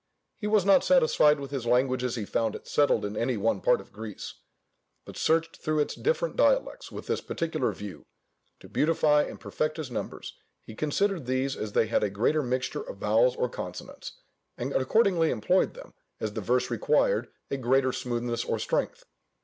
He was not satisfied with his language as he found it settled in any one part of Greece, but searched through its different dialects with this particular view, to beautify and perfect his numbers he considered these as they had a greater mixture of vowels or consonants, and accordingly employed them as the verse required either a greater smoothness or strength.